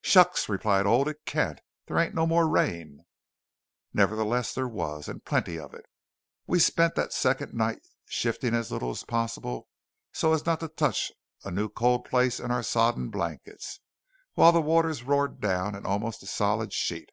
"Shucks!" replied Old, "It can't. There ain't no more rain." Nevertheless there was, and plenty of it. We spent that second night shifting as little as possible so as not to touch a new cold place in our sodden blankets, while the waters roared down in almost a solid sheet.